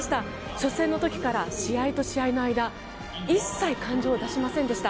初戦の時から試合と試合の間一切感情を出しませんでした。